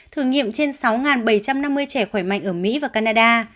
thử nghiệm trên sáu bảy trăm năm mươi trẻ khỏe mạnh ở mỹ và canada